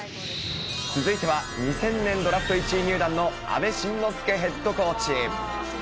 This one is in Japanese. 続いては、２０００年ドラフト１位入団の阿部慎之助ヘッドコーチ。